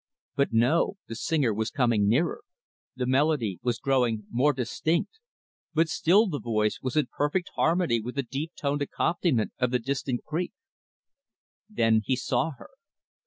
But no; the singer was coming nearer; the melody was growing more distinct; but still the voice was in perfect harmony with the deep toned accompaniment of the distant creek. Then he saw her.